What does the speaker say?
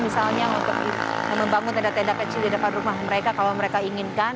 misalnya untuk membangun tenda tenda kecil di depan rumah mereka kalau mereka inginkan